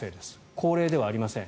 高齢ではありません。